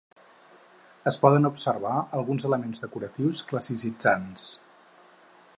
Es poden observar alguns elements decoratius classicitzants.